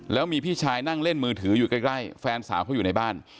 แล้วมีพี่ชายนั่งเล่นมือถืออยู่ใกล้แฟนสาวเขาอยู่ในบ้าน